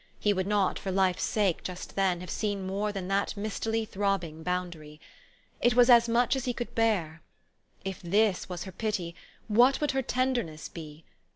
He would not for life's sake, just then, have seen more than that mistily throbbing boundary. It was as much as he could bear. If this was her pity, what would her tender ness be?